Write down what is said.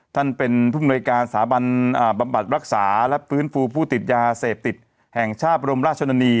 ท่านเป็นผู้มนวยการสถาบันบำบัดรักษาและฟื้นฟูผู้ติดยาเสพติดแห่งชาติบรมราชนี